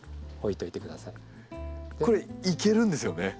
これいけるんですよね？